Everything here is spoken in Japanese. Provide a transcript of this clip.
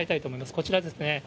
こちらですね。